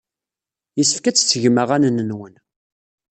Yessefk ad tettgem aɣanen-nwen.